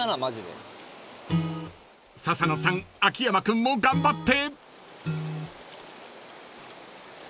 ［笹野さん秋山君も頑張って］